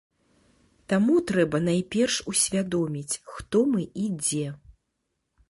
Таму трэба найперш усвядоміць, хто мы і дзе.